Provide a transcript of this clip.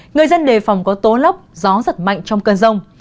người dân đề phòng có tố lốc gió giật mạnh trong cơn rông